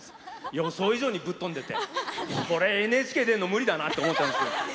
予想以上に、ぶっとんでてこれ、ＮＨＫ出るの無理だなと思ってたんです。